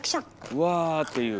「うわ」っていう。